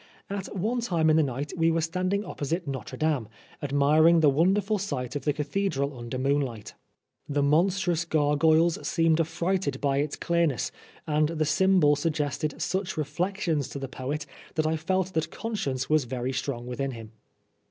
At one time in the night we were* standing opposite Notre Dame, admiring the wonderful sight of the cathedral 34 Oscar Wilde under moonlight. The monstrous gargoyles seemed affrighted by its clearness, and the symbol suggested such reflections to the poet that I felt that conscience was very strong within him.